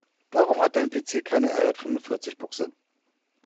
Warum hat dein PC keine RJ-fünfundvierzig-Buchse?